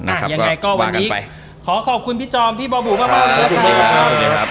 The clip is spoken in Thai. ยังไงก็วันนี้ขอขอบคุณพี่จอมพี่บอบหูพระบอบเลยนะครับ